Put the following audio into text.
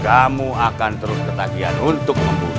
kamu akan terus ketahian untuk membunuh